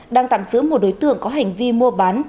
đang tạm giữ một đối tượng có hành vi mua bán